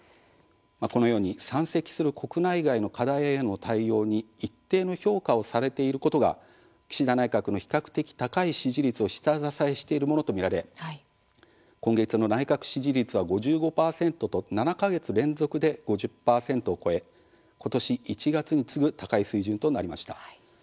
このように山積する国内外の課題への対応に一定の評価をされていることが岸田内閣の比較的高い支持率を下支えしているものと見られ今月の内閣支持率は５５％と７か月連続で５０％を超えことし１月に次ぐ高い水準となりました。